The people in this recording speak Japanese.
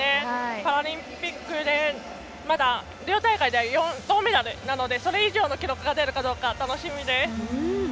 パラリンピックでリオ大会では銅メダルなのでそれ以上の記録が出るかどうか楽しみです。